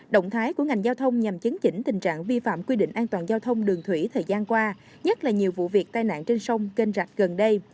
động thái của ngành giao thông nhằm chấn chỉnh tình trạng vi phạm quy định an toàn giao thông đường thủy thời gian qua nhất là nhiều vụ việc tai nạn trên sông kênh rạch gần đây